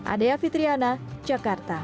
ada ya fitria